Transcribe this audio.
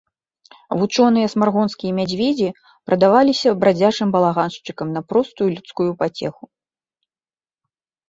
Вучоныя смаргонскія мядзведзі прадаваліся брадзячым балаганшчыкам на простую людскую пацеху.